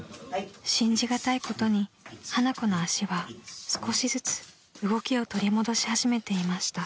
［信じ難いことに花子の足は少しずつ動きを取り戻し始めていました］